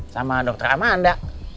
sama dokter amanda